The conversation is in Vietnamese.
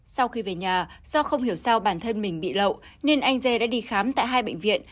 sau khi về nhà do không hiểu sao bản thân mình bị lậu nên anh dê đã đi khám tại hai bệnh viện